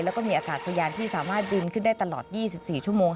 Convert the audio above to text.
แล้วก็มีอากาศยานที่สามารถบินขึ้นได้ตลอด๒๔ชั่วโมง